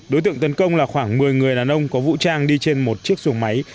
đối tượng tấn công là khoảng một mươi người đàn ông có vũ trang đi trên một chiếc xuồng máy